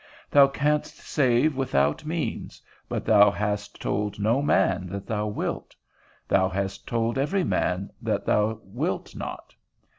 Thou canst save without means, but thou hast told no man that thou wilt; thou hast told every man that thou wilt not.